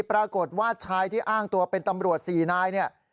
ปรากฏว่าชายที่อ้างตัวเป็นตำรวจ๔นายเนี่ย